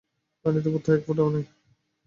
পানি তো বোধহয় এক ফোটাও নেই।